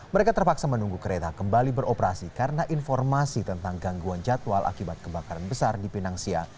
mereka terpaksa menunggu kereta kembali beroperasi karena informasi tentang gangguan jadwal akibat kebakaran besar di pinangsia